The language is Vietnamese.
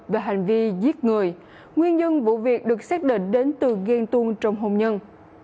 về hành vi giết người nguyên nhân vụ việc được xác định đến từ ghen tuôn trong hôn nhân